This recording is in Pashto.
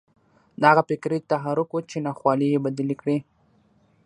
دا هغه فکري تحرک و چې ناخوالې یې بدلې کړې